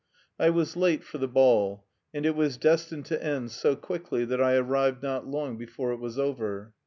I was late for the ball, and it was destined to end so quickly that I arrived not long before it was over.